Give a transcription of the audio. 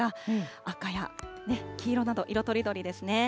赤や黄色など、色とりどりですね。